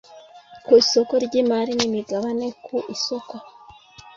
ku isoko ry imari n imigabane ku isoko